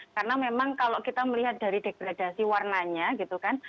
karena memang kalau kita melihat dari degradasi warnanya gitu kan